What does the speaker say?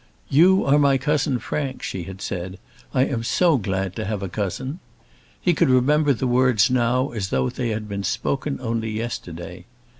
"You are my cousin Frank," she had said; "I am so glad to have a cousin." He could remember the words now as though they had been spoken only yesterday.